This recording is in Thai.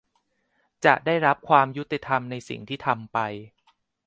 จะได้รับความยุติธรรมในสิ่งที่ทำไป